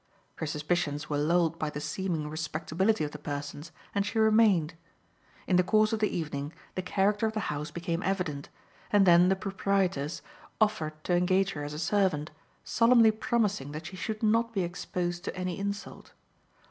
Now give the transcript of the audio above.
Her suspicions were lulled by the seeming respectability of the persons, and she remained. In the course of the evening the character of the house became evident, and then the proprietress offered to engage her as a servant, solemnly promising that she should not be exposed to any insult.